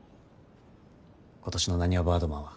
今年のなにわバードマンは。